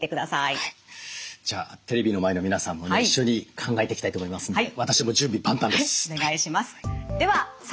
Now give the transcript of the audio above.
じゃあテレビの前の皆さんも一緒に考えていきたいと思いますので私も準備万端です。